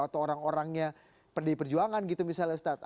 atau orang orangnya pdi perjuangan gitu misalnya ustadz